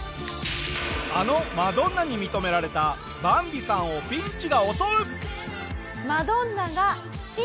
あのマドンナに認められたバンビさんをピンチが襲う！